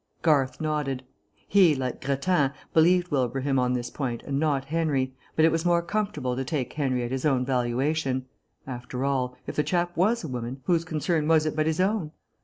Garth nodded. He, like Grattan, believed Wilbraham on this point and not Henry, but it was more comfortable to take Henry at his own valuation. After all, if the chap was a woman, whose concern was it but his own?